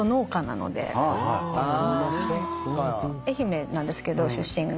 愛媛なんですけど出身が。